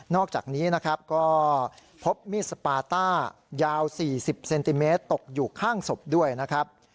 อกจากนี้นะครับก็พบมีดสปาต้ายาว๔๐เซนติเมตรตกอยู่ข้างศพด้วยนะครับ